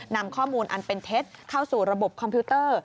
นำข้อมูลอันเป็นเท็จเข้าสู่ระบบคอมพิวเตอร์